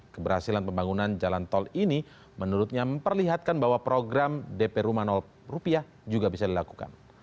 keberhasilan pembangunan jalan tol ini menurutnya memperlihatkan bahwa program dp rumah rupiah juga bisa dilakukan